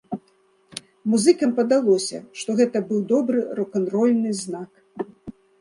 Музыкам падалося, што гэта быў добры рок-н-рольны знак!